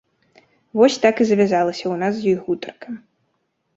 Вось так і завязвалася ў нас з ёй гутарка.